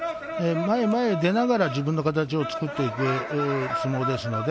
前に出ながら自分の形を作っていく相撲です。